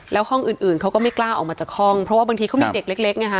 แล้วห้องอื่นอื่นเขาก็ไม่กล้าออกมาจากห้องเพราะว่าบางทีเขามีเด็กเล็กเล็กเนี้ยค่ะ